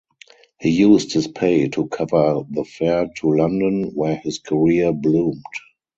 He used his pay to cover the fare to London where his career bloomed.